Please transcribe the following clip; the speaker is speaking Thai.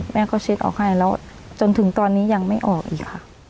แม่ก็เช็คออกให้แล้วจนถึงตอนนี้ยังไม่ออกอีกค่ะ